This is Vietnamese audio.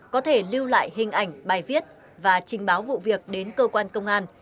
có thể lưu lại hình ảnh bài viết và trình báo vụ việc đến cơ quan công an